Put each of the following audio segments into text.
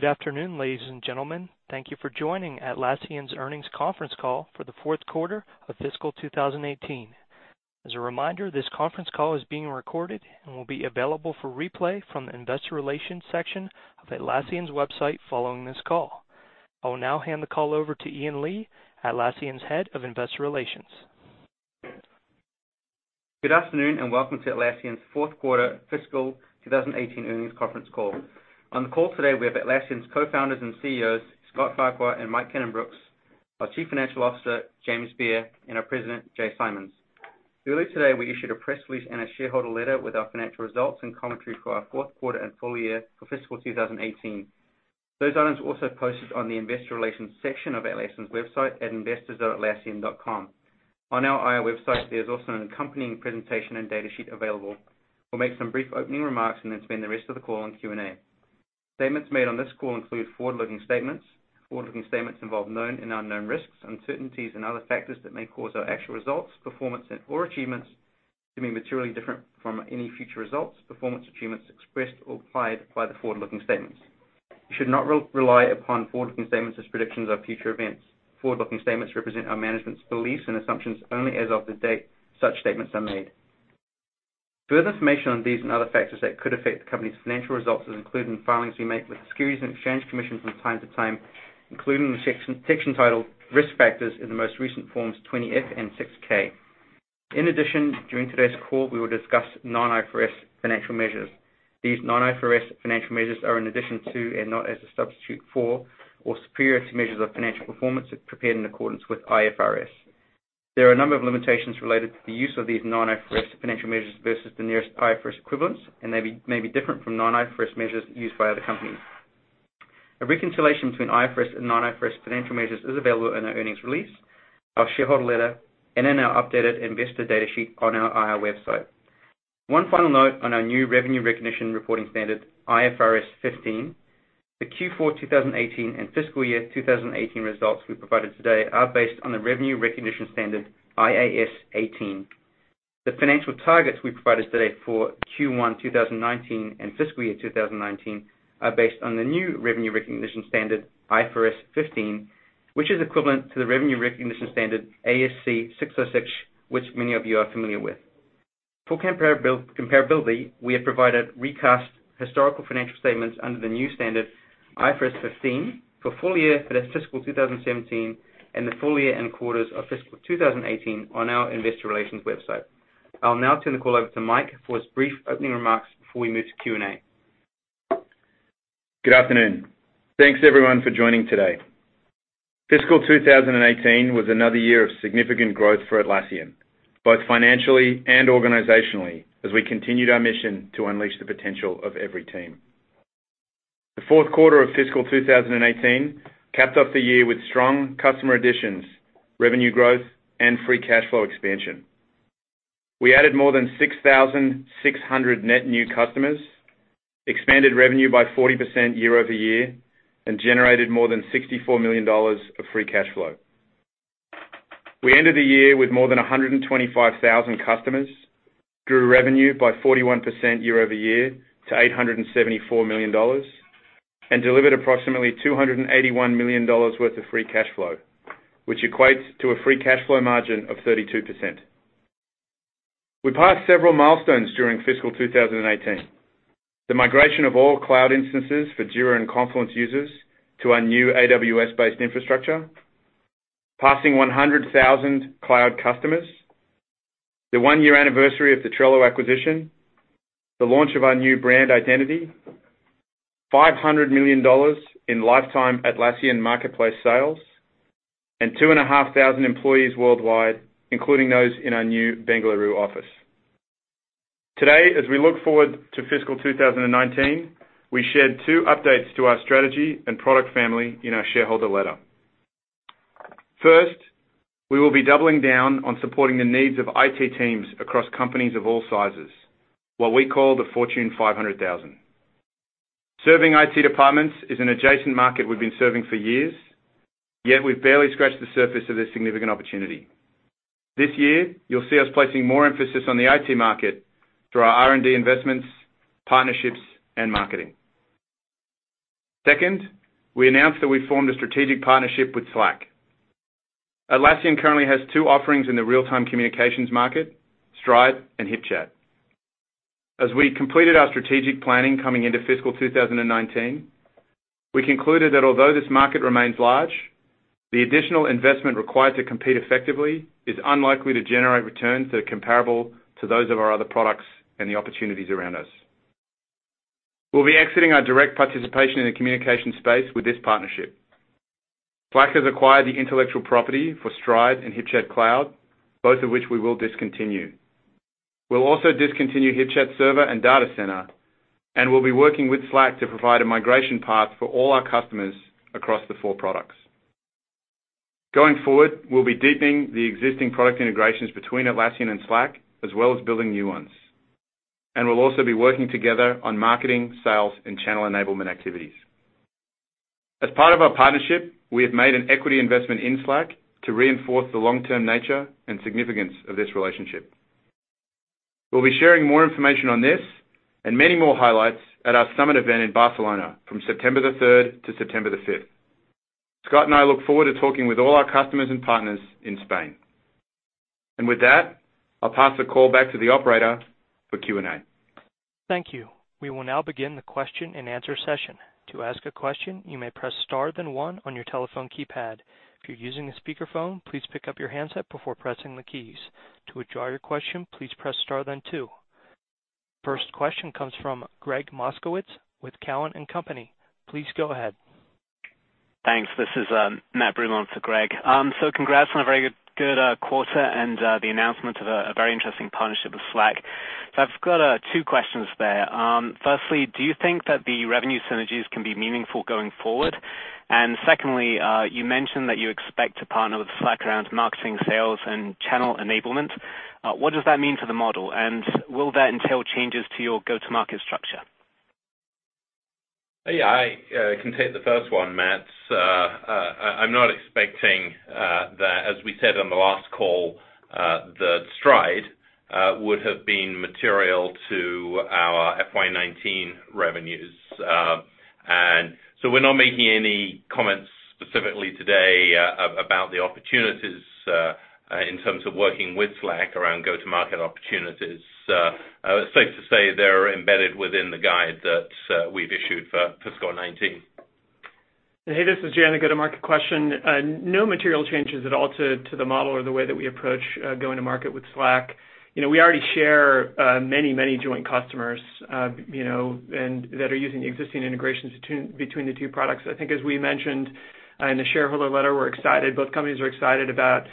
Good afternoon, ladies and gentlemen. Thank you for joining Atlassian's earnings conference call for the fourth quarter of fiscal 2018. As a reminder, this conference call is being recorded and will be available for replay from the investor relations section of Atlassian's website following this call. I will now hand the call over to Ian Lee, Atlassian's Head of Investor Relations. Good afternoon and welcome to Atlassian's fourth quarter fiscal 2018 earnings conference call. On the call today, we have Atlassian's Co-Founders and Co-CEOs, Scott Farquhar and Mike Cannon-Brookes, our Chief Financial Officer, James Beer, and our President, Jay Simons. Earlier today, we issued a press release and a shareholder letter with our financial results and commentary for our fourth quarter and full year for fiscal 2018. Those items are also posted on the investor relations section of Atlassian's website at investors.atlassian.com. On our IR website, there's also an accompanying presentation and data sheet available. We'll make some brief opening remarks and then spend the rest of the call on Q&A. Statements made on this call include forward-looking statements. Forward-looking statements involve known and unknown risks, uncertainties, and other factors that may cause our actual results, performance, or achievements to be materially different from any future results, performance, or achievements expressed or implied by the forward-looking statements. You should not rely upon forward-looking statements as predictions of future events. Forward-looking statements represent our management's beliefs and assumptions only as of the date such statements are made. Further information on these and other factors that could affect the company's financial results is included in filings we make with the Securities and Exchange Commission from time to time, including the section titled Risk Factors in the most recent Forms 20-F and 6-K. In addition, during today's call, we will discuss non-IFRS financial measures. These non-IFRS financial measures are in addition to, and not as a substitute for, or superior to measures of financial performance prepared in accordance with IFRS. There are a number of limitations related to the use of these non-IFRS financial measures versus the nearest IFRS equivalents, and may be different from non-IFRS measures used by other companies. A reconciliation between IFRS and non-IFRS financial measures is available in our earnings release, our shareholder letter, and in our updated investor data sheet on our IR website. One final note on our new revenue recognition reporting standard, IFRS 15. The Q4 2018 and fiscal year 2018 results we provided today are based on the revenue recognition standard IAS 18. The financial targets we provided today for Q1 2019 and fiscal year 2019 are based on the new revenue recognition standard, IFRS 15, which is equivalent to the revenue recognition standard ASC 606, which many of you are familiar with. For comparability, we have provided recast historical financial statements under the new standard, IFRS 15, for full year for fiscal 2017 and the full year and quarters of fiscal 2018 on our investor relations website. I'll now turn the call over to Mike for his brief opening remarks before we move to Q&A. Good afternoon. Thanks, everyone, for joining today. Fiscal 2018 was another year of significant growth for Atlassian, both financially and organizationally, as we continued our mission to unleash the potential of every team. The fourth quarter of fiscal 2018 capped off the year with strong customer additions, revenue growth, and free cash flow expansion. We added more than 6,600 net new customers, expanded revenue by 40% year-over-year, and generated more than $64 million of free cash flow. We ended the year with more than 125,000 customers, grew revenue by 41% year-over-year to $874 million, and delivered approximately $281 million worth of free cash flow, which equates to a free cash flow margin of 32%. We passed several milestones during fiscal 2018. The migration of all cloud instances for Jira and Confluence users to our new AWS-based infrastructure, passing 100,000 cloud customers, the one-year anniversary of the Trello acquisition, the launch of our new brand identity, $500 million in lifetime Atlassian Marketplace sales, and 2,500 employees worldwide, including those in our new Bengaluru office. Today, as we look forward to fiscal 2019, we shared two updates to our strategy and product family in our shareholder letter. First, we will be doubling down on supporting the needs of IT teams across companies of all sizes, what we call the Fortune 500,000. Serving IT departments is an adjacent market we've been serving for years, yet we've barely scratched the surface of this significant opportunity. This year, you'll see us placing more emphasis on the IT market through our R&D investments, partnerships, and marketing. Second, we announced that we formed a strategic partnership with Slack. Atlassian currently has two offerings in the real-time communications market, Stride and HipChat. As we completed our strategic planning coming into fiscal 2019, we concluded that although this market remains large, the additional investment required to compete effectively is unlikely to generate returns that are comparable to those of our other products and the opportunities around us. We'll be exiting our direct participation in the communication space with this partnership. Slack has acquired the intellectual property for Stride and HipChat Cloud, both of which we will discontinue. We'll also discontinue HipChat Server and Data Center, and we'll be working with Slack to provide a migration path for all our customers across the four products. Going forward, we'll be deepening the existing product integrations between Atlassian and Slack, as well as building new ones. We'll also be working together on marketing, sales, and channel enablement activities. As part of our partnership, we have made an equity investment in Slack to reinforce the long-term nature and significance of this relationship. We'll be sharing more information on this and many more highlights at our summit event in Barcelona from September the 3rd to September the 5th. Scott and I look forward to talking with all our customers and partners in Spain. With that, I'll pass the call back to the operator for Q&A. Thank you. We will now begin the question and answer session. To ask a question, you may press star then one on your telephone keypad. If you're using a speakerphone, please pick up your handset before pressing the keys. To withdraw your question, please press star then two. First question comes from Gregg Moskowitz with Cowen and Company. Please go ahead. Thanks. This is Matt Bruman for Gregg. Congrats on a very good quarter and the announcement of a very interesting partnership with Slack. I've got two questions there. Firstly, do you think that the revenue synergies can be meaningful going forward? Secondly, you mentioned that you expect to partner with Slack around marketing, sales, and channel enablement. What does that mean for the model, and will that entail changes to your go-to-market structure? Yeah, I can take the first one, Matt. I'm not expecting that, as we said on the last call, Stride would have been material to our FY 2019 revenues. We're not making any comments specifically today about the opportunities in terms of working with Slack around go-to-market opportunities. It's safe to say they're embedded within the guide that we've issued for fiscal 2019. Hey, this is Jay. A go-to-market question. No material changes at all to the model or the way that we approach going to market with Slack. We already share many joint customers that are using the existing integrations between the two products. I think as we mentioned in the shareholder letter, both companies are excited about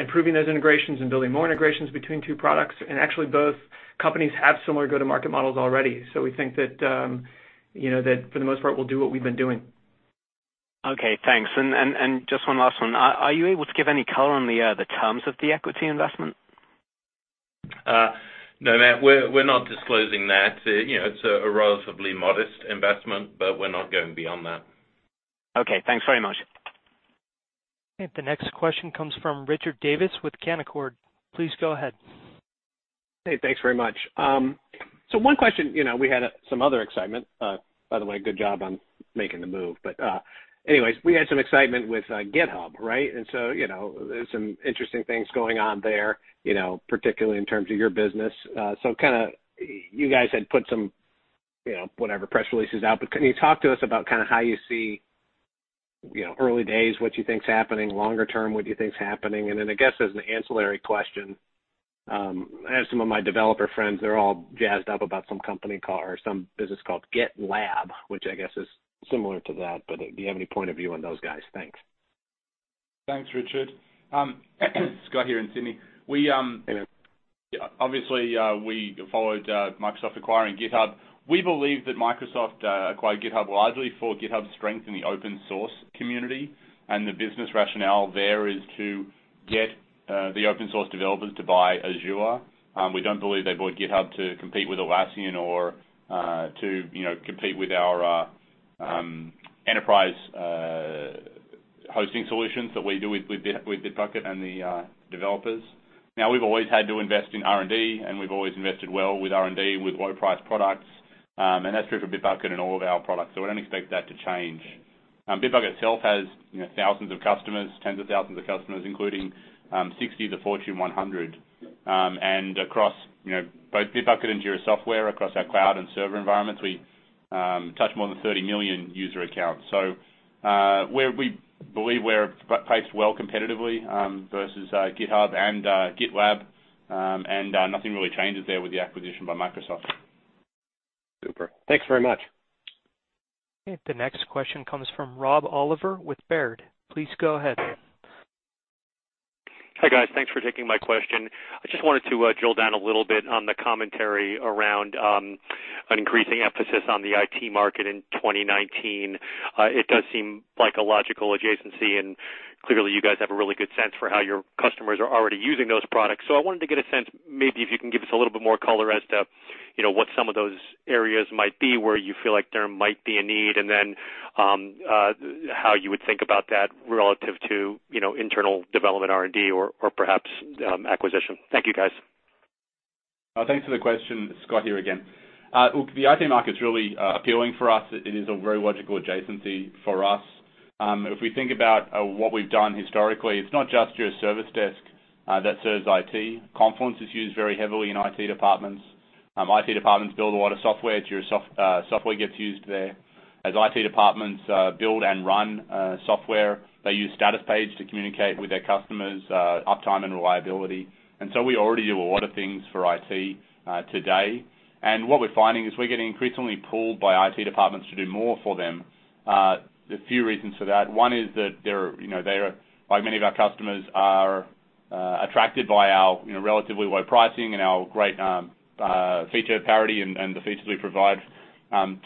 improving those integrations and building more integrations between two products. Both companies have similar go-to-market models already. We think that for the most part, we'll do what we've been doing. Okay, thanks. Just one last one. Are you able to give any color on the terms of the equity investment? No, Matt, we're not disclosing that. It's a relatively modest investment, but we're not going beyond that. Okay. Thanks very much. Okay. The next question comes from Richard Davis with Canaccord. Please go ahead. Hey, thanks very much. One question, we had some other excitement. By the way, good job on making the move. Anyways, we had some excitement with GitHub, right? There's some interesting things going on there, particularly in terms of your business. You guys had put some press releases out, can you talk to us about how you see early days, what you think is happening longer term, what you think is happening? Then I guess as an ancillary question, I have some of my developer friends, they're all jazzed up about some business called GitLab, which I guess is similar to that, do you have any point of view on those guys? Thanks. Thanks, Richard. Scott here in Sydney. Hey, man. Obviously, we followed Microsoft acquiring GitHub. We believe that Microsoft acquired GitHub largely for GitHub's strength in the open source community, and the business rationale there is to get the open source developers to buy Azure. We don't believe they bought GitHub to compete with Atlassian or to compete with our enterprise hosting solutions that we do with Bitbucket and the developers. We've always had to invest in R&D, and we've always invested well with R&D, with low price products. That's true for Bitbucket and all of our products. We don't expect that to change. Bitbucket itself has thousands of customers, tens of thousands of customers, including 60 of the Fortune 100. Across both Bitbucket and Jira Software, across our cloud and server environments, we touch more than 30 million user accounts. We believe we're paced well competitively versus GitHub and GitLab, and nothing really changes there with the acquisition by Microsoft. Super. Thanks very much. Okay. The next question comes from Rob Oliver with Baird. Please go ahead. Hi, guys. Thanks for taking my question. I just wanted to drill down a little bit on the commentary around an increasing emphasis on the IT market in 2019. It does seem like a logical adjacency, clearly you guys have a really good sense for how your customers are already using those products. I wanted to get a sense, maybe if you can give us a little bit more color as to what some of those areas might be where you feel like there might be a need, then how you would think about that relative to internal development R&D or perhaps acquisition. Thank you, guys. Thanks for the question. Scott here again. Look, the IT market's really appealing for us. It is a very logical adjacency for us. If we think about what we've done historically, it's not just Jira Service Desk that serves IT. Confluence is used very heavily in IT departments. IT departments build a lot of software. Jira Software gets used there. As IT departments build and run software, they use Statuspage to communicate with their customers' uptime and reliability. We already do a lot of things for IT today. What we're finding is we're getting increasingly pulled by IT departments to do more for them. There's a few reasons for that. One is that many of our customers are attracted by our relatively low pricing and our great feature parity and the features we provide.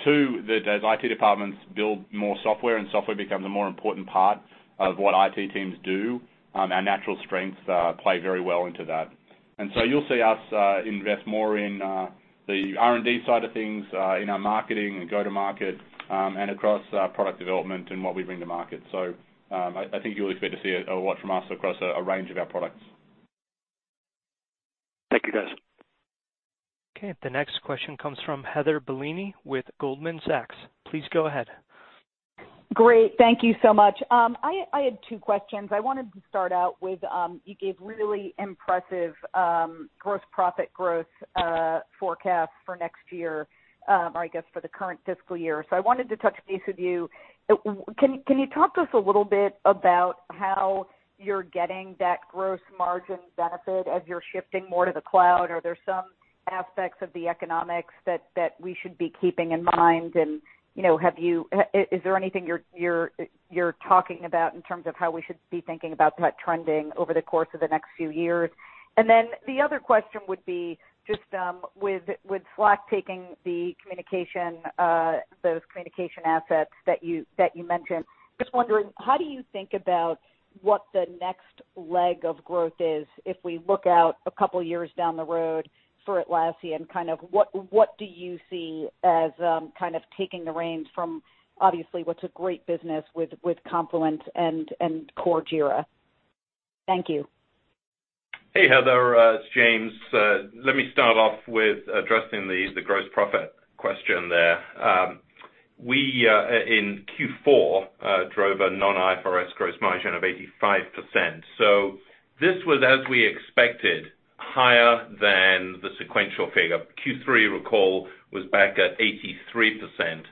Two, that as IT departments build more software and software becomes a more important part of what IT teams do, our natural strengths play very well into that. You'll see us invest more in the R&D side of things, in our marketing and go-to-market, and across product development and what we bring to market. I think you'll expect to see a lot from us across a range of our products. Okay, the next question comes from Heather Bellini with Goldman Sachs. Please go ahead. Great. Thank you so much. I had two questions. I wanted to start out with, you gave really impressive gross profit growth forecasts for next year, or I guess for the current fiscal year. I wanted to touch base with you. Can you talk to us a little bit about how you're getting that gross margin benefit as you're shifting more to the cloud? Are there some aspects of the economics that we should be keeping in mind? Is there anything you're talking about in terms of how we should be thinking about that trending over the course of the next few years? The other question would be just with Slack taking those communication assets that you mentioned, just wondering, how do you think about what the next leg of growth is if we look out a couple of years down the road for Atlassian? What do you see as taking the reins from obviously what's a great business with Confluence and core Jira? Thank you. Hey, Heather. It's James. Let me start off with addressing the gross profit question there. We, in Q4, drove a non-IFRS gross margin of 85%. This was, as we expected, higher than the sequential figure. Q3, recall, was back at 83%.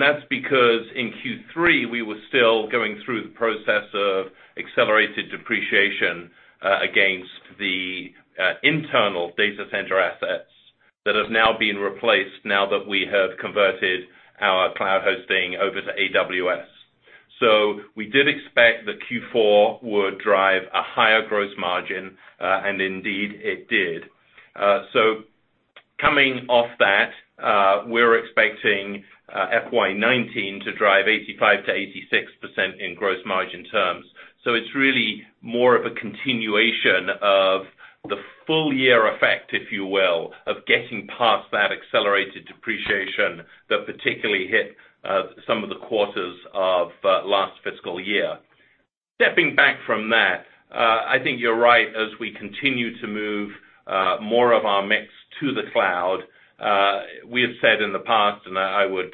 That's because in Q3, we were still going through the process of accelerated depreciation against the internal Data Center assets that have now been replaced now that we have converted our cloud hosting over to AWS. We did expect that Q4 would drive a higher gross margin, and indeed it did. Coming off that, we're expecting FY 2019 to drive 85%-86% in gross margin terms. It's really more of a continuation of the full year effect, if you will, of getting past that accelerated depreciation that particularly hit some of the quarters of last fiscal year. Stepping back from that, I think you're right. As we continue to move more of our mix to the cloud, we have said in the past, and I would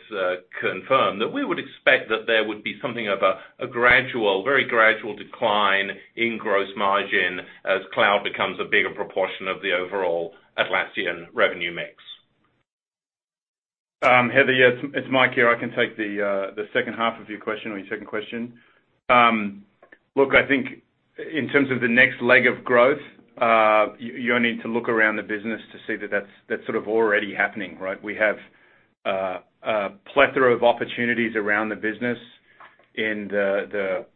confirm, that we would expect that there would be something of a very gradual decline in gross margin as cloud becomes a bigger proportion of the overall Atlassian revenue mix. Heather, yeah. It's Mike here. I can take the second half of your question or your second question. Look, I think in terms of the next leg of growth, you only need to look around the business to see that that's sort of already happening, right? We have a plethora of opportunities around the business in the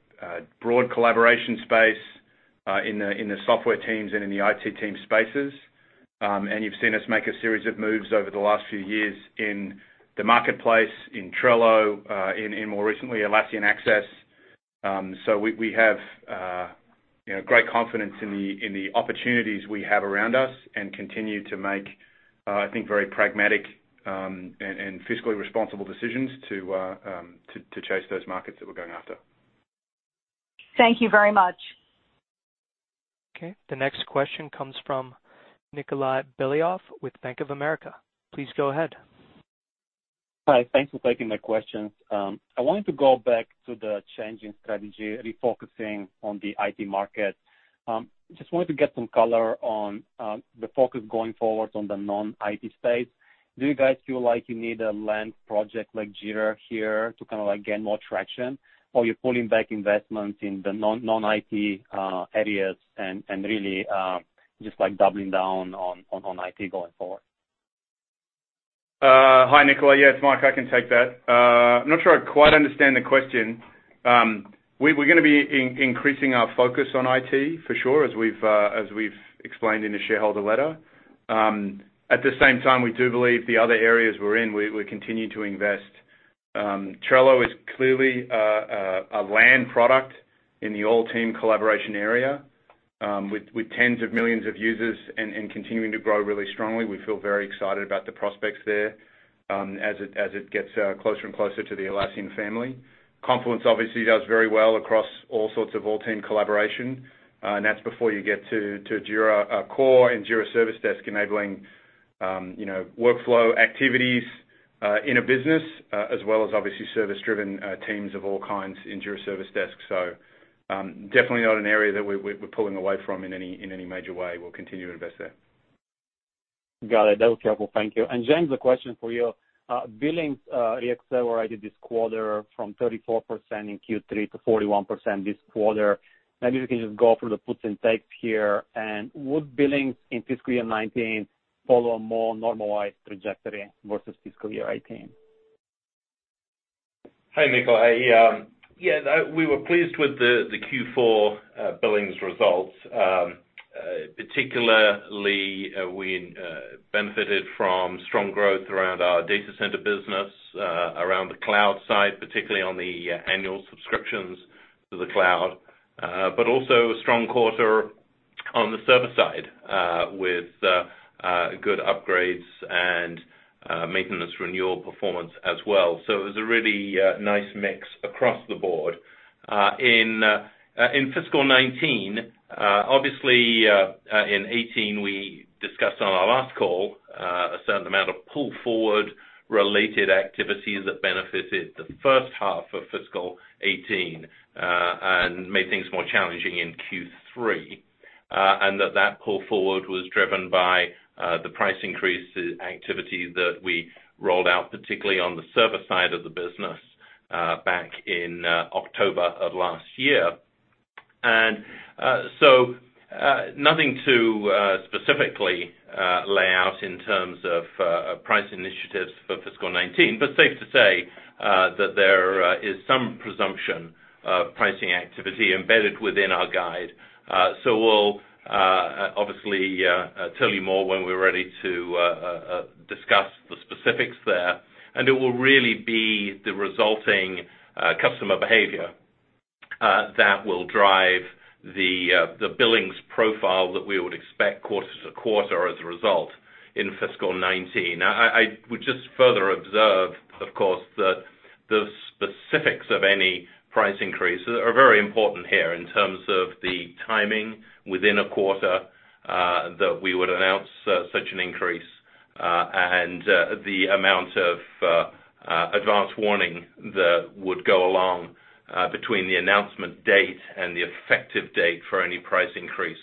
broad collaboration space, in the software teams, and in the IT team spaces. You've seen us make a series of moves over the last few years in the Atlassian Marketplace, in Trello, in more recently, Atlassian Access. We have great confidence in the opportunities we have around us and continue to make, I think, very pragmatic and fiscally responsible decisions to chase those markets that we're going after. Thank you very much. Okay, the next question comes from Nikolay Beliov with Bank of America. Please go ahead. Hi. Thanks for taking the questions. I wanted to go back to the changing strategy, refocusing on the IT market. Just wanted to get some color on the focus going forward on the non-IT space. Do you guys feel like you need a land project like Jira here to kind of gain more traction? You're pulling back investments in the non-IT areas and really just doubling down on IT going forward? Hi, Nikolay. Yeah, it's Mike. I can take that. I'm not sure I quite understand the question. We're going to be increasing our focus on IT for sure, as we've explained in the shareholder letter. At the same time, we do believe the other areas we're in, we continue to invest. Trello is clearly a land product in the all team collaboration area, with tens of millions of users and continuing to grow really strongly. We feel very excited about the prospects there as it gets closer and closer to the Atlassian family. Confluence obviously does very well across all sorts of all team collaboration. That's before you get to Jira Core and Jira Service Desk enabling workflow activities in a business, as well as obviously service-driven teams of all kinds in Jira Service Desk. Definitely not an area that we're pulling away from in any major way. We'll continue to invest there. Got it. That was helpful. Thank you. James, a question for you. Billings re-accelerated this quarter from 34% in Q3 to 41% this quarter. Maybe we can just go through the puts and takes here, would billings in fiscal year 2019 follow a more normalized trajectory versus fiscal year 2018? Hi, Nikolay. We were pleased with the Q4 billings results. Particularly, we benefited from strong growth around our Data Center business, around the cloud side, particularly on the annual subscriptions to the cloud. Also a strong quarter on the server side with good upgrades and maintenance renewal performance as well. It was a really nice mix across the board. In fiscal 2019, obviously, in 2018, we discussed on our last call a certain amount of pull-forward related activities that benefited the first half of fiscal 2018 and made things more challenging in Q3. That pull forward was driven by the price increase activity that we rolled out, particularly on the service side of the business back in October of last year. Nothing to specifically lay out in terms of price initiatives for fiscal 2019, safe to say that there is some presumption of pricing activity embedded within our guide. We'll obviously tell you more when we're ready to discuss the specifics there. It will really be the resulting customer behavior that will drive the billings profile that we would expect quarter to quarter as a result in fiscal 2019. I would just further observe, of course, that the specifics of any price increases are very important here in terms of the timing within a quarter that we would announce such an increase. The amount of advance warning that would go along between the announcement date and the effective date for any price increase.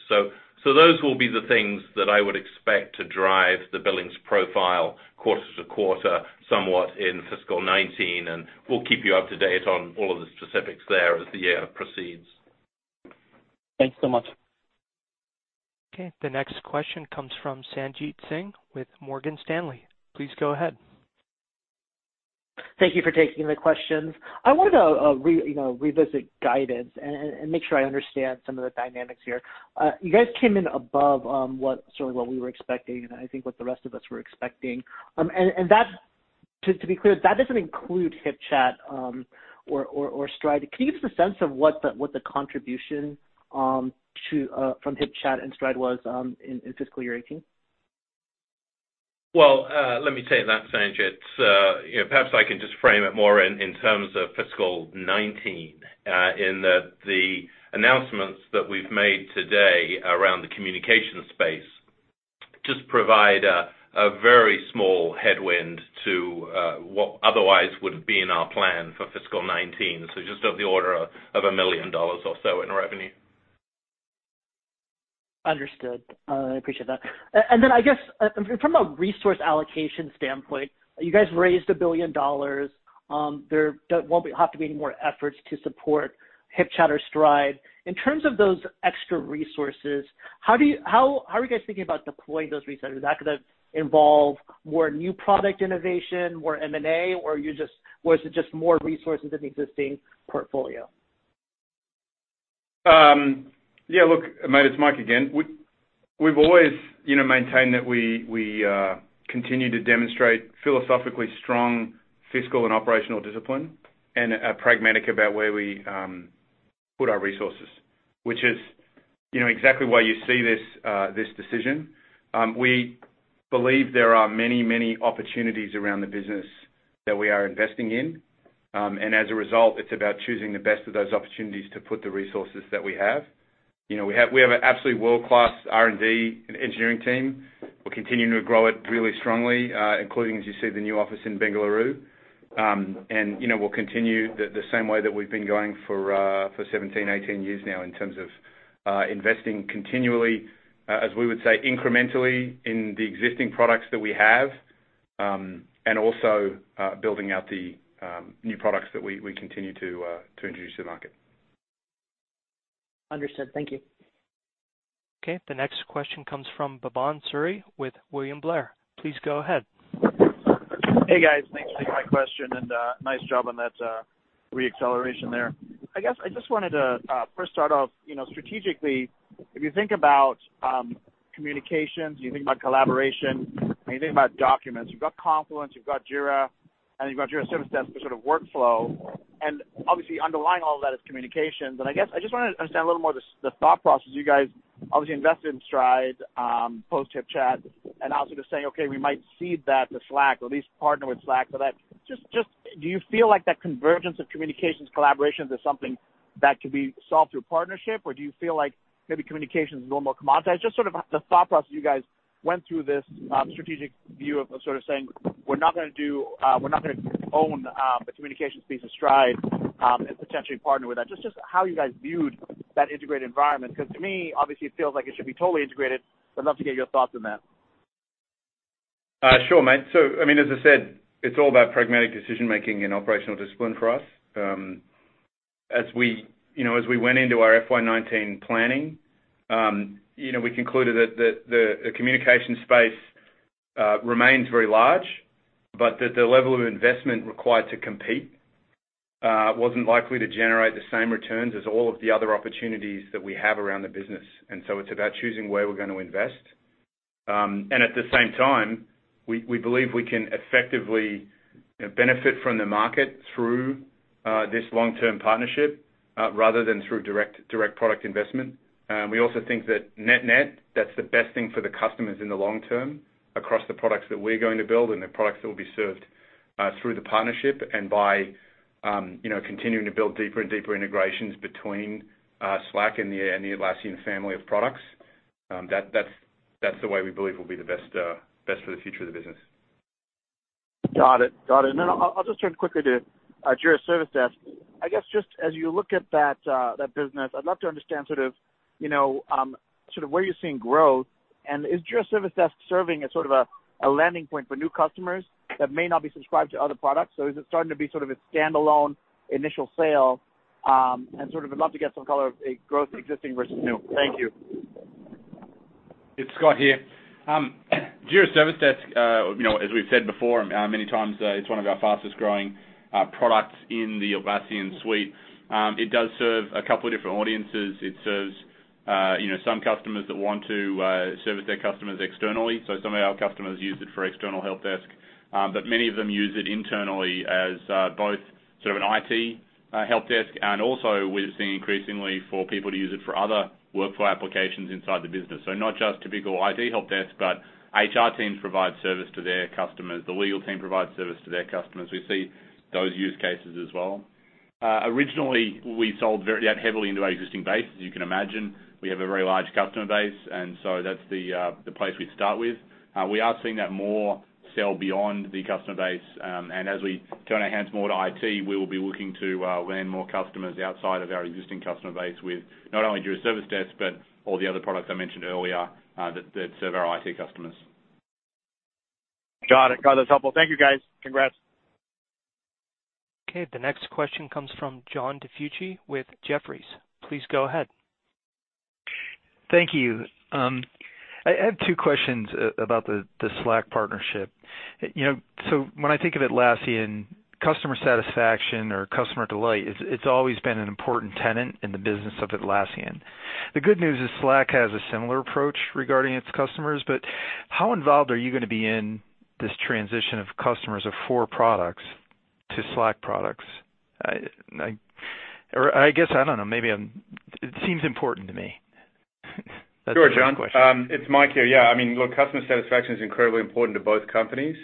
Those will be the things that I would expect to drive the billings profile quarter to quarter somewhat in fiscal 2019, we'll keep you up to date on all of the specifics there as the year proceeds. Thanks so much. Okay. The next question comes from Sanjit Singh with Morgan Stanley. Please go ahead. Thank you for taking the questions. I wanted to revisit guidance and make sure I understand some of the dynamics here. You guys came in above what we were expecting, and I think what the rest of us were expecting. To be clear, that doesn't include HipChat or Stride. Can you give us a sense of what the contribution from HipChat and Stride was in FY 2018? Well, let me take that, Sanjit. Perhaps I can just frame it more in terms of FY 2019, in the announcements that we've made today around the communication space just provide a very small headwind to what otherwise would have been our plan for FY 2019, so just of the order of $1 million or so in revenue. Understood. I appreciate that. Then, I guess from a resource allocation standpoint, you guys raised $1 billion. There won't have to be any more efforts to support HipChat or Stride. In terms of those extra resources, how are you guys thinking about deploying those resources? Is that going to involve more new product innovation, more M&A, or was it just more resources in the existing portfolio? Yeah, look, mate, it's Mike again. We've always maintained that we continue to demonstrate philosophically strong fiscal and operational discipline and are pragmatic about where we put our resources, which is exactly why you see this decision. We believe there are many opportunities around the business that we are investing in. As a result, it's about choosing the best of those opportunities to put the resources that we have. We have an absolutely world-class R&D and engineering team. We're continuing to grow it really strongly, including, as you see, the new office in Bengaluru. We'll continue the same way that we've been going for 17, 18 years now in terms of investing continually, as we would say, incrementally in the existing products that we have, and also building out the new products that we continue to introduce to the market. Understood. Thank you. Okay, the next question comes from Bhavan Suri with William Blair. Please go ahead. Hey, guys. Thanks for taking my question, and nice job on that re-acceleration there. I guess I just wanted to first start off strategically, if you think about communications, you think about collaboration, and you think about documents. You've got Confluence, you've got Jira, and you've got Jira Service Desk for sort of workflow. Obviously underlying all of that is communications. I guess I just wanted to understand a little more the thought process. You guys obviously invested in Stride post HipChat, and obviously just saying, okay, we might cede that to Slack or at least partner with Slack for that. Do you feel like that convergence of communications collaborations is something that could be solved through a partnership? Do you feel like maybe communication is a little more commoditized? The thought process you guys went through this strategic view of sort of saying, we're not going to own the communications piece of Stride, and potentially partner with that. How you guys viewed that integrated environment. To me, obviously, it feels like it should be totally integrated, I'd love to get your thoughts on that. Sure, mate. As I said, it's all about pragmatic decision-making and operational discipline for us. As we went into our FY 2019 planning, we concluded that the communication space remains very large, but that the level of investment required to compete wasn't likely to generate the same returns as all of the other opportunities that we have around the business. It's about choosing where we're going to invest. At the same time, we believe we can effectively benefit from the market through This long-term partnership rather than through direct product investment. We also think that net-net, that's the best thing for the customers in the long term across the products that we're going to build and the products that will be served through the partnership and by continuing to build deeper and deeper integrations between Slack and the Atlassian family of products. That's the way we believe will be the best for the future of the business. Got it. I'll just turn quickly to Jira Service Desk. I guess just as you look at that business, I'd love to understand where you're seeing growth, and is Jira Service Desk serving as sort of a landing point for new customers that may not be subscribed to other products? Is it starting to be sort of a standalone initial sale? I'd love to get some color of growth existing versus new. Thank you. It's Scott here. Jira Service Desk, as we've said before, many times, it's one of our fastest-growing products in the Atlassian suite. It does serve a couple of different audiences. It serves some customers that want to service their customers externally. Some of our customers use it for external help desk. Many of them use it internally as both sort of an IT help desk, and also we're seeing increasingly for people to use it for other workflow applications inside the business. Not just typical IT help desk, but HR teams provide service to their customers. The legal team provides service to their customers. We see those use cases as well. Originally, we sold very heavily into our existing base. As you can imagine, we have a very large customer base, and so that's the place we'd start with. We are seeing that more sell beyond the customer base, and as we turn our hands more to IT, we will be looking to land more customers outside of our existing customer base with not only Jira Service Desk, but all the other products I mentioned earlier that serve our IT customers. Got it. That's helpful. Thank you, guys. Congrats. The next question comes from John DiFucci with Jefferies. Please go ahead. Thank you. I have two questions about the Slack partnership. When I think of Atlassian customer satisfaction or customer delight, it's always been an important tenet in the business of Atlassian. The good news is Slack has a similar approach regarding its customers, but how involved are you going to be in this transition of customers of four products to Slack products? Or I guess, I don't know, it seems important to me. That's the question. Sure, John. It's Mike here. Look, customer satisfaction is incredibly important to both companies.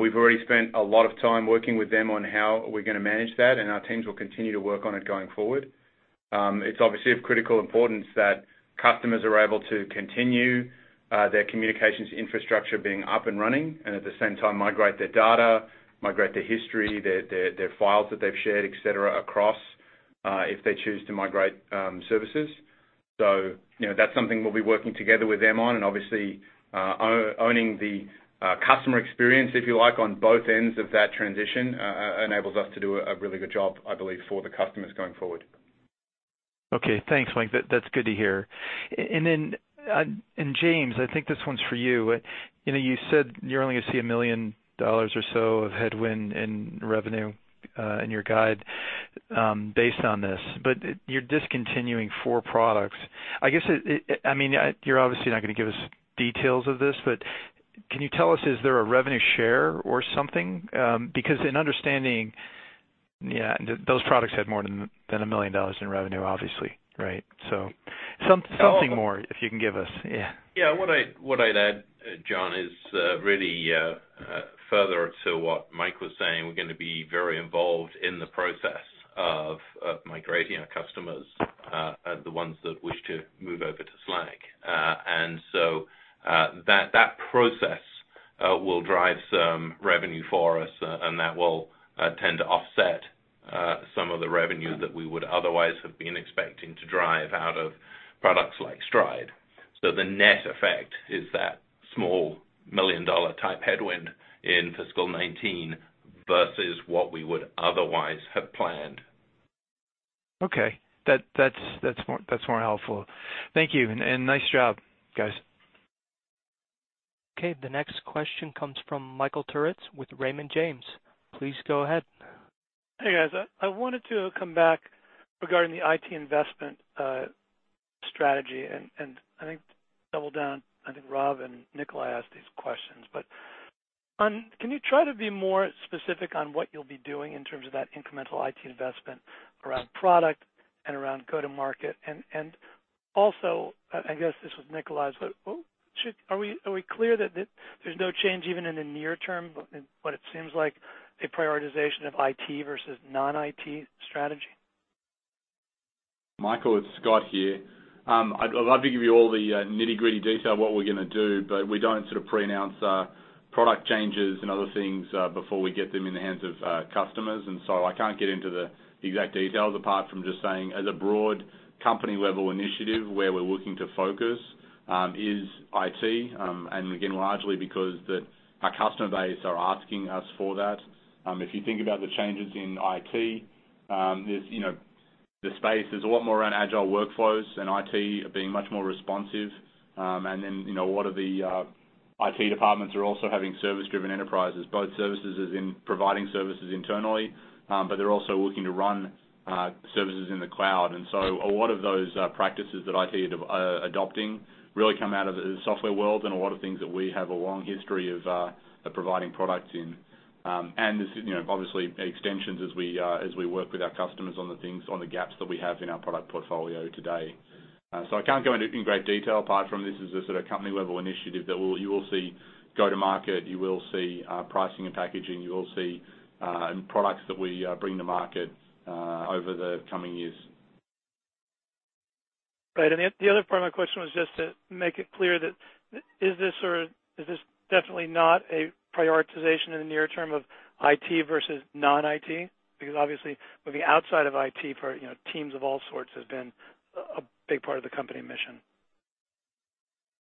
We've already spent a lot of time working with them on how we're going to manage that, and our teams will continue to work on it going forward. It's obviously of critical importance that customers are able to continue their communications infrastructure being up and running, and at the same time migrate their data, migrate their history, their files that they've shared, et cetera, across, if they choose to migrate services. That's something we'll be working together with them on, and obviously, owning the customer experience, if you like, on both ends of that transition enables us to do a really good job, I believe, for the customers going forward. Okay. Thanks, Mike. That's good to hear. James, I think this one's for you. You said you're only going to see $1 million or so of headwind in revenue in your guide based on this, but you're discontinuing four products. You're obviously not going to give us details of this, but can you tell us, is there a revenue share or something? Because in understanding, those products had more than $1 million in revenue, obviously, right? Something more, if you can give us. What I'd add, John, is really further to what Mike was saying, we're going to be very involved in the process of migrating our customers, the ones that wish to move over to Slack. That process will drive some revenue for us, and that will tend to offset some of the revenue that we would otherwise have been expecting to drive out of products like Stride. The net effect is that small $1 million-type headwind in fiscal 2019 versus what we would otherwise have planned. Okay. That's more helpful. Thank you, and nice job, guys. Okay. The next question comes from Michael Turrin with Raymond James. Please go ahead. Hey, guys. I wanted to come back regarding the IT investment strategy, I think double down, I think Rob and Nikolai asked these questions. Can you try to be more specific on what you'll be doing in terms of that incremental IT investment around product and around go-to market? Also, I guess this was Nikolai's, but are we clear that there's no change even in the near term, but it seems like a prioritization of IT versus non-IT strategy? Michael, it's Scott here. I'd love to give you all the nitty-gritty detail of what we're going to do, but we don't sort of preannounce product changes and other things before we get them in the hands of customers. I can't get into the exact details apart from just saying, as a broad company-level initiative where we're looking to focus is IT, and again, largely because our customer base are asking us for that. If you think about the changes in IT, the space is a lot more around agile workflows and IT being much more responsive. What are the IT departments are also having service-driven enterprises, both services as in providing services internally, but they're also looking to run services in the cloud. A lot of those practices that IT are adopting really come out of the software world and a lot of things that we have a long history of providing products in. Obviously, extensions as we work with our customers on the things, on the gaps that we have in our product portfolio today. I can't go into it in great detail apart from this is a sort of company-level initiative that you will see go to market, you will see pricing and packaging, you will see products that we bring to market over the coming years. Right. The other part of my question was just to make it clear that is this definitely not a prioritization in the near term of IT versus non-IT? Obviously, looking outside of IT for teams of all sorts has been a big part of the company mission.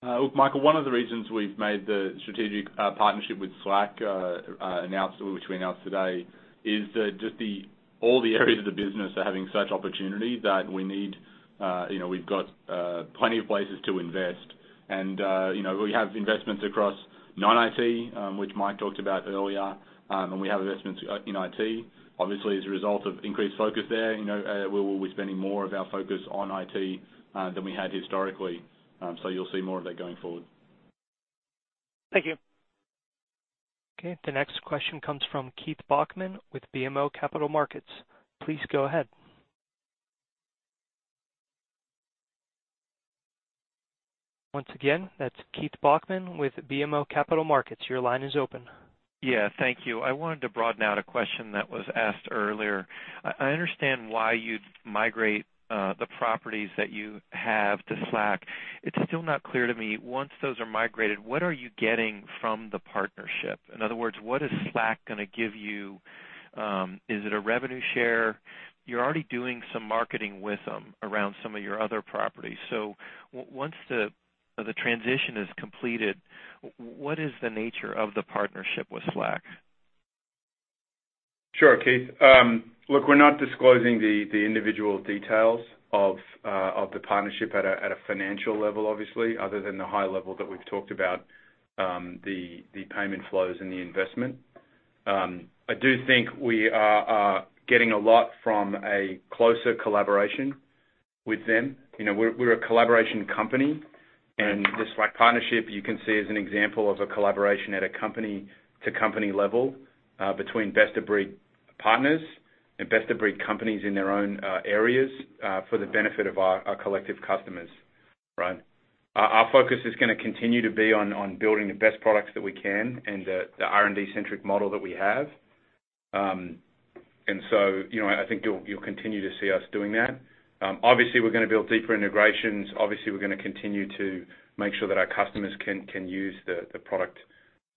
Look, Michael, one of the reasons we've made the strategic partnership with Slack, which we announced today, is that just all the areas of the business are having such opportunity that we've got plenty of places to invest. We have investments across non-IT, which Mike talked about earlier, and we have investments in IT. Obviously, as a result of increased focus there, we're spending more of our focus on IT than we had historically. You'll see more of that going forward. Thank you. Okay, the next question comes from Keith Bachman with BMO Capital Markets. Please go ahead. Once again, that's Keith Bachman with BMO Capital Markets. Your line is open. Yeah, thank you. I wanted to broaden out a question that was asked earlier. I understand why you'd migrate the properties that you have to Slack. It's still not clear to me, once those are migrated, what are you getting from the partnership? In other words, what is Slack going to give you? Is it a revenue share? You're already doing some marketing with them around some of your other properties. Once the transition is completed, what is the nature of the partnership with Slack? Sure, Keith. Look, we're not disclosing the individual details of the partnership at a financial level, obviously, other than the high level that we've talked about the payment flows and the investment. I do think we are getting a lot from a closer collaboration with them. We're a collaboration company, and this Slack partnership you can see is an example of a collaboration at a company-to-company level between best-of-breed partners and best-of-breed companies in their own areas for the benefit of our collective customers. Our focus is going to continue to be on building the best products that we can and the R&D-centric model that we have. I think you'll continue to see us doing that. Obviously, we're going to build deeper integrations. Obviously, we're going to continue to make sure that our customers can use the product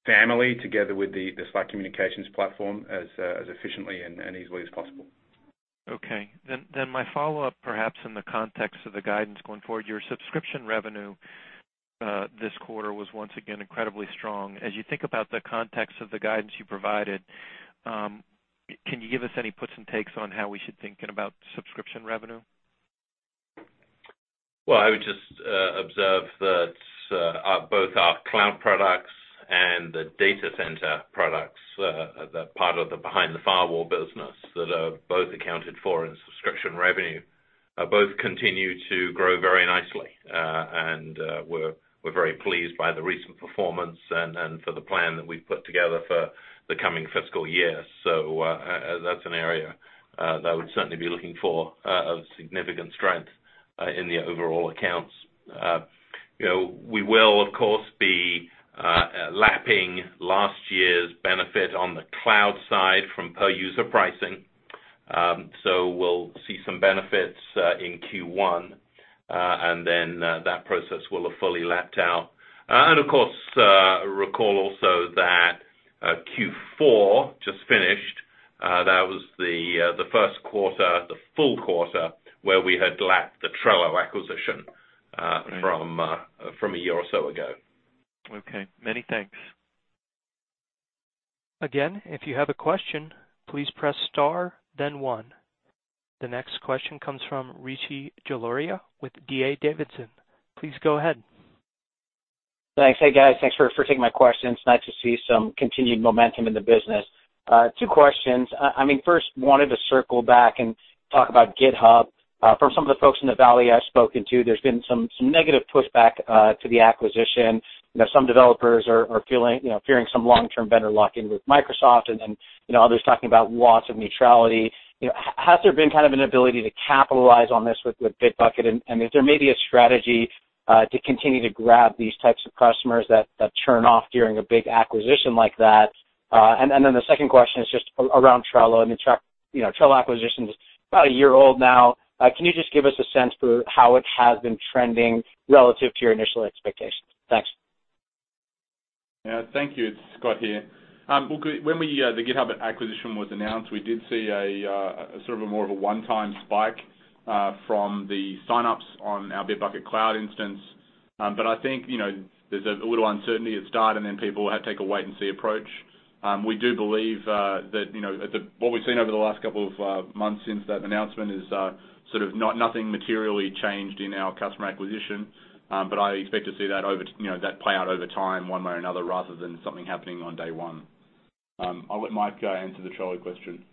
family together with the Slack communications platform as efficiently and easily as possible. Okay. My follow-up, perhaps in the context of the guidance going forward, your subscription revenue this quarter was once again incredibly strong. As you think about the context of the guidance you provided, can you give us any puts and takes on how we should think about subscription revenue? Well, I would just observe that both our cloud products and the Data Center products that are part of the behind the firewall business that are both accounted for in subscription revenue, both continue to grow very nicely. We're very pleased by the recent performance and for the plan that we've put together for the coming fiscal year. That's an area that I would certainly be looking for a significant strength in the overall accounts. We will, of course, be lapping last year's benefit on the cloud side from per-user pricing. We'll see some benefits in Q1, and then that process will have fully lapped out. Of course, recall also that Q4 just finished. That was the first quarter, the full quarter, where we had lapped the Trello acquisition from a year or so ago. Okay. Many thanks. Again, if you have a question, please press star then one. The next question comes from Rishi Jaluria with D.A. Davidson. Please go ahead. Thanks. Hey, guys. Thanks for taking my questions. Nice to see some continued momentum in the business. Two questions. First, I wanted to circle back and talk about GitHub. From some of the folks in the Valley I've spoken to, there's been some negative pushback to the acquisition. Some developers are fearing some long-term vendor lock-in with Microsoft and then others talking about loss of neutrality. Has there been kind of an ability to capitalize on this with Bitbucket? Is there maybe a strategy to continue to grab these types of customers that turn off during a big acquisition like that? The second question is just around Trello. The Trello acquisition is about a year old now. Can you just give us a sense for how it has been trending relative to your initial expectations? Thanks. Yeah, thank you. It's Scott here. Look, when the GitHub acquisition was announced, we did see more of a one-time spike from the sign-ups on our Bitbucket cloud instance. I think there's a little uncertainty at start, and then people take a wait-and-see approach. We do believe that what we've seen over the last couple of months since that announcement is nothing materially changed in our customer acquisition. I expect to see that play out over time one way or another, rather than something happening on day one. I'll let Mike answer the Trello question.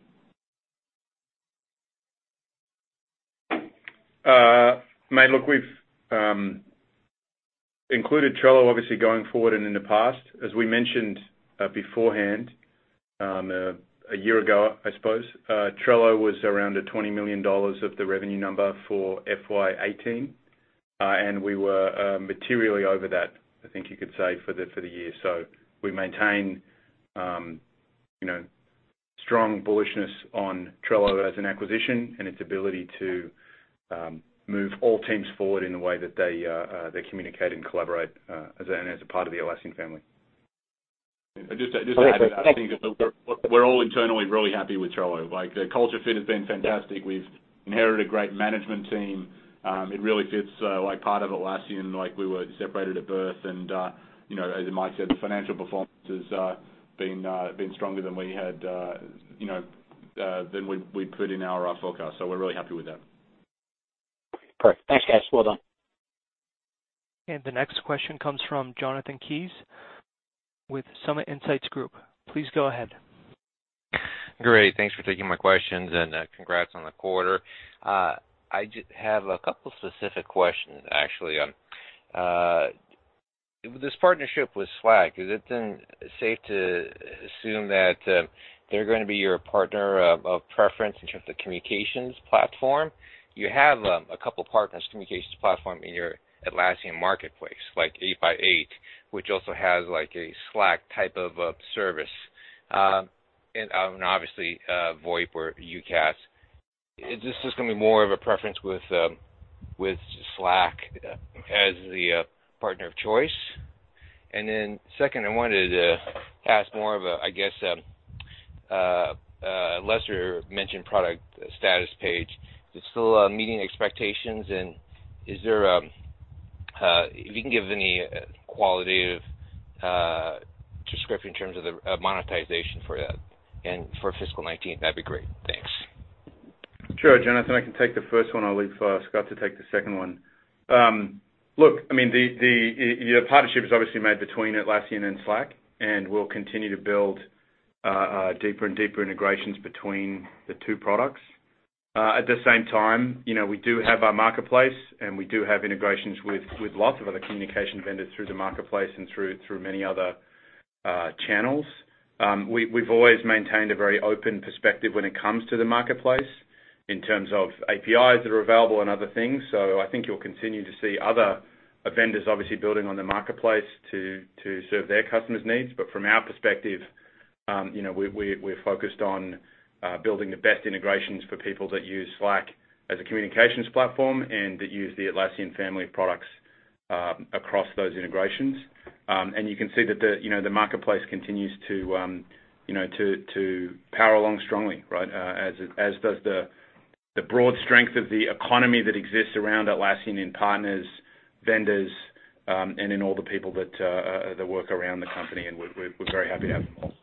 Mate, look, we've included Trello obviously going forward and in the past. As we mentioned beforehand, a year ago, I suppose, Trello was around the $20 million of revenue for FY 2018. We were materially over that, I think you could say, for the year. We maintain strong bullishness on Trello as an acquisition and its ability to move all teams forward in the way that they communicate and collaborate as a part of the Atlassian family. Just to add to that, I think we're all internally really happy with Trello. The culture fit has been fantastic. We've inherited a great management team. It really fits like part of Atlassian, like we were separated at birth. As Mike said, the financial performance has been stronger than we put in our forecast. We're really happy with that. Perfect. Thanks, guys. Well done. The next question comes from Jonathan Kees with Summit Insights Group. Please go ahead. Great. Thanks for taking my questions, congrats on the quarter. I have a couple specific questions, actually. This partnership with Slack, is it then safe to assume that they're going to be your partner of preference in terms of the communications platform? You have a couple partners communications platform in your Atlassian Marketplace, like 8x8, which also has a Slack type of a service. Obviously, VoIP or UCaaS. Is this just going to be more of a preference with Slack as the partner of choice? Second, I wanted to ask more of a, I guess, lesser-mentioned product, Statuspage. Is it still meeting expectations? If you can give any qualitative description in terms of the monetization for that and for fiscal 2019, that'd be great. Thanks. Sure, Jonathan, I can take the first one. I'll leave for Scott to take the second one. Look, the partnership is obviously made between Atlassian and Slack, we'll continue to build deeper and deeper integrations between the two products. At the same time, we do have our Marketplace, we do have integrations with lots of other communication vendors through the Marketplace and through many other channels. We've always maintained a very open perspective when it comes to the Marketplace in terms of APIs that are available and other things. I think you'll continue to see other vendors obviously building on the Marketplace to serve their customers' needs. From our perspective, we're focused on building the best integrations for people that use Slack as a communications platform and that use the Atlassian family of products across those integrations. You can see that the marketplace continues to power along strongly, as does the broad strength of the economy that exists around Atlassian in partners, vendors, and in all the people that work around the company, and we're very happy to have them all.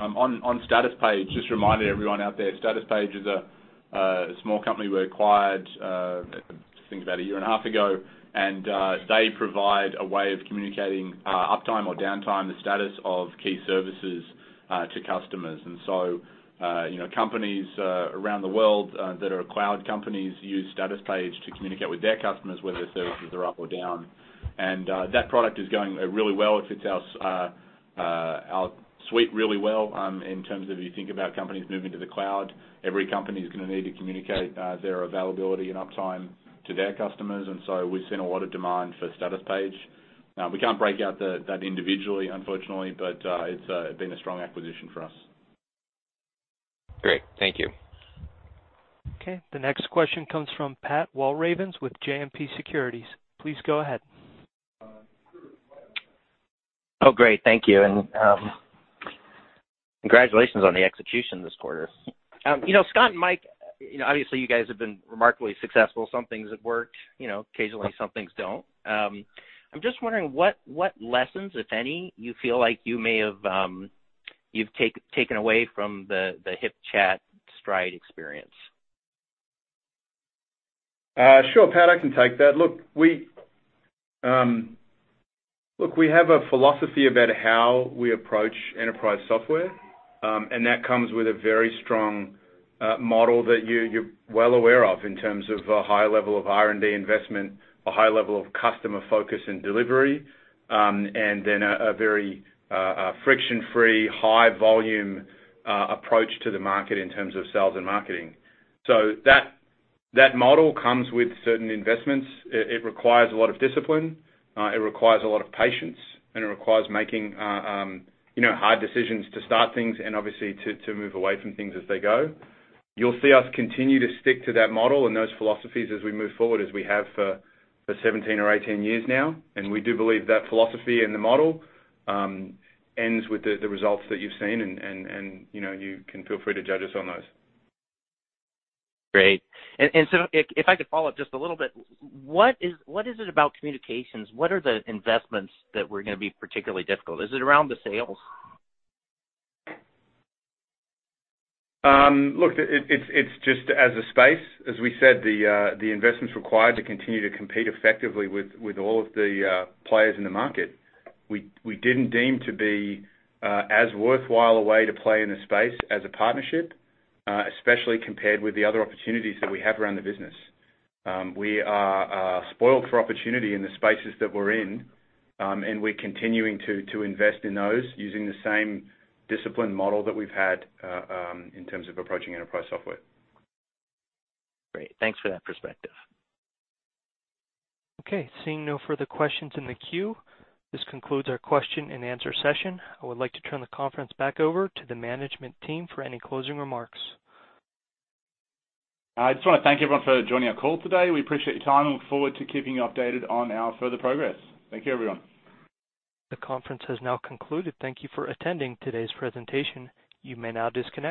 On Statuspage, just a reminder to everyone out there, Statuspage is a small company we acquired, I think, about a year and a half ago. They provide a way of communicating uptime or downtime, the status of key services to customers. Companies around the world that are cloud companies use Statuspage to communicate with their customers whether their services are up or down. That product is going really well. It fits our suite really well in terms of you think about companies moving to the cloud. Every company is going to need to communicate their availability and uptime to their customers. We've seen a lot of demand for Statuspage. We can't break out that individually, unfortunately, but it's been a strong acquisition for us. Great. Thank you. Okay, the next question comes from Patrick Walravens with JMP Securities. Please go ahead. Great. Thank you. Congratulations on the execution this quarter. Scott and Mike, obviously, you guys have been remarkably successful. Some things have worked, occasionally some things don't. I'm just wondering what lessons, if any, you feel like you've taken away from the HipChat/Stride experience? Sure, Pat, I can take that. Look, we have a philosophy about how we approach enterprise software, That comes with a very strong model that you're well aware of in terms of a high level of R&D investment, a high level of customer focus and delivery, A very friction-free, high volume approach to the market in terms of sales and marketing. That model comes with certain investments. It requires a lot of discipline. It requires a lot of patience, It requires making hard decisions to start things and obviously to move away from things as they go. You'll see us continue to stick to that model and those philosophies as we move forward, as we have for 17 or 18 years now. We do believe that philosophy and the model ends with the results that you've seen, You can feel free to judge us on those. Great. If I could follow up just a little bit, what is it about communications? What are the investments that were going to be particularly difficult? Is it around the sales? Look, it's just as a space. As we said, the investments required to continue to compete effectively with all of the players in the market, we didn't deem to be as worthwhile a way to play in the space as a partnership, especially compared with the other opportunities that we have around the business. We are spoiled for opportunity in the spaces that we're in, and we're continuing to invest in those using the same disciplined model that we've had in terms of approaching enterprise software. Great. Thanks for that perspective. Seeing no further questions in the queue, this concludes our question and answer session. I would like to turn the conference back over to the management team for any closing remarks. I just want to thank everyone for joining our call today. We appreciate your time and look forward to keeping you updated on our further progress. Thank you, everyone. The conference has now concluded. Thank you for attending today's presentation. You may now disconnect.